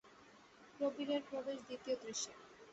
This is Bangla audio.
প্রবীরের প্রবেশ দ্বিতীয় দৃশ্যে।